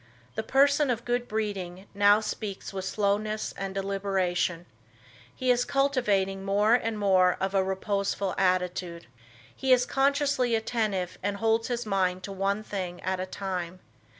The person of good breeding now speaks with slowness and deliberation. He is cultivating more and more of a reposeful attitude. He is consciously attentive and holds his mind to one thing at a time.